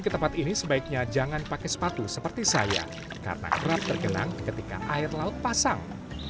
ke tempat ini sebaiknya jangan pakai sepatu seperti saya karena kerap tergenang ketika air laut pasang